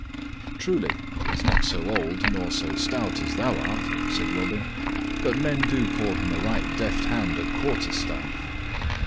"Truly, he is not so old nor so stout as thou art," said Robin. "But men do call him a right deft hand at quarterstaff."